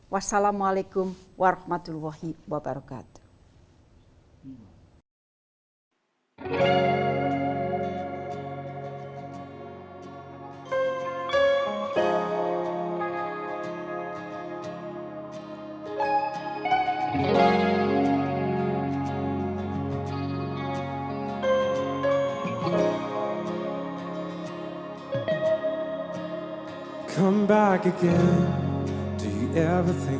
wassalamualaikum warahmatullahi wabarakatuh